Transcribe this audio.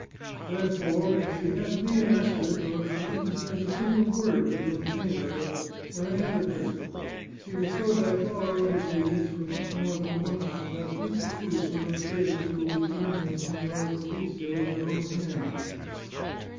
Therefore, if she has me 399 The Chartreuse of Parma arrested, or if she even says a single word to Don Cesare, or any other person, she will throw back all our undertak ings for much more than a month, and I speak the truth when I say that she will be killing Monsignore Fabrizio with her own hand."